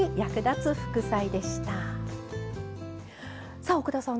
さあ奥田さん